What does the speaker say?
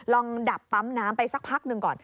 ดับปั๊มน้ำไปสักพักหนึ่งก่อน